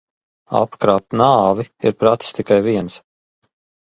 Apkrāpt nāvi ir pratis tikai viens.